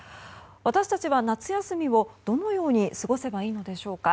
私たちは、夏休みをどのように過ごせばいいのでしょうか。